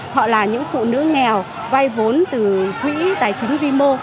họ là những phụ nữ nghèo vay vốn từ quỹ tài chính vi mô